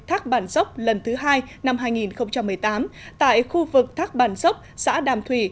thác bản dốc lần thứ hai năm hai nghìn một mươi tám tại khu vực thác bản dốc xã đàm thủy